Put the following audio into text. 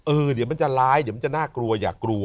เดี๋ยวมันจะร้ายเดี๋ยวมันจะน่ากลัวอย่ากลัว